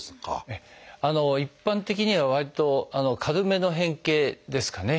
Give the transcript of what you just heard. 一般的にはわりと軽めの変形ですかね。